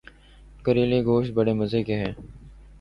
کریلے گوشت بڑے مزے کے ہیں